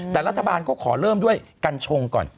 แต่รัฐบาลก็ขอเริ่มด้วยกัญชงก่อน